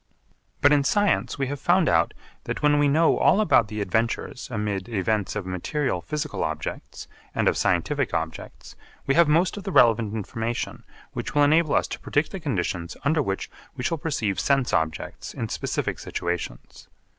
But in science we have found out that when we know all about the adventures amid events of material physical objects and of scientific objects we have most of the relevant information which will enable us to predict the conditions under which we shall perceive sense objects in specific situations.